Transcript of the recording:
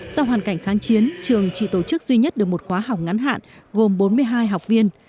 do hoàn cảnh kháng chiến trường chỉ tổ chức duy nhất được một khóa học ngắn hạn gồm bốn mươi hai học viên